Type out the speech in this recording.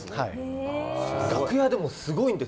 楽屋でもすごいんです。